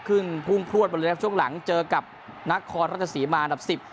ขึ้นพุ่งพลวนมาเลยครับช่วงหลังเจอกับนักคอร์รัฐศรีมาอันดับสิบ